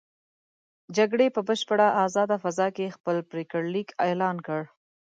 جرګې په بشپړه ازاده فضا کې خپل پرېکړه لیک اعلان کړ.